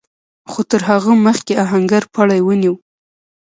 خو تر هغه مخکې آهنګر پړی ونيو.